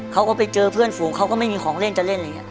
เขาก็ไปเจอเพื่อนฝูงเขาก็ไม่มีของเล่นจะเล่นอะไรอย่างนี้